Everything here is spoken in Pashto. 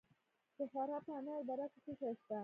د فراه په انار دره کې څه شی شته؟